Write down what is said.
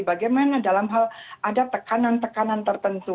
bagaimana dalam hal ada tekanan tekanan tertentu